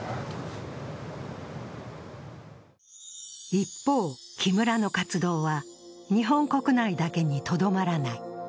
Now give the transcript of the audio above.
一方、木村の活動は日本国内だけにとどまらない。